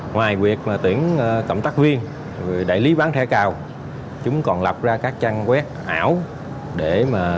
ngoài việc mà tuyển cộng tác viên đại lý bán thẻ cào chúng còn lập ra các trang web ảo để mà